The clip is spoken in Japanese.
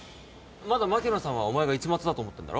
まだ牧野さんはお前が市松だと思ってんだろ？